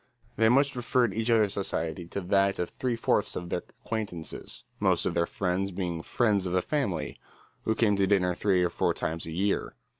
They much preferred each other's society to that of three fourths of their acquaintances, most of their friends being "friends of the family," who came to dinner three or four times a year.